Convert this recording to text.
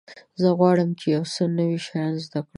زه غواړم چې یو څه نوي شیان زده کړم.